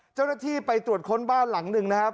เจ้าหน้าที่ไปตรวจค้นบ้านหลังหนึ่งนะครับ